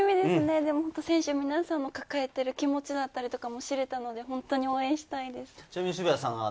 選手皆さんの抱えてる気持ちだったりとかもしれてたので、本当に応援したいです。